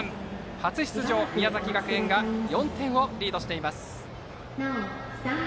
初出場の宮崎学園が４点リードしています。